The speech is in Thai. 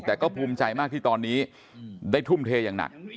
แต่ก็ภูมิใจมากที่ตอนนี้ได้ทุ่มเทอย่างหนัก